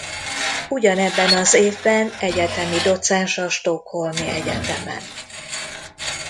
Ugyanebben az évben egyetemi docens a Stockholmi Egyetemen.